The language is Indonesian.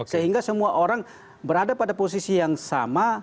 sehingga semua orang berada pada posisi yang sama